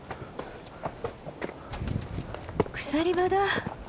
鎖場だ。